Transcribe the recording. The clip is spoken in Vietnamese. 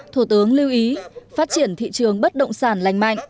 thủ tướng lưu ý phát triển thị trường bất động sản lành mạnh